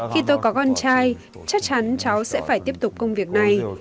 khi tôi có con trai chắc chắn cháu sẽ phải tiếp tục công việc này